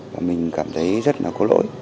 và mình cảm thấy rất là có lỗi